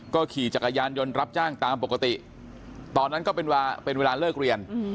ขี่จักรยานยนต์รับจ้างตามปกติตอนนั้นก็เป็นเวลาเลิกเรียน